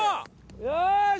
よし。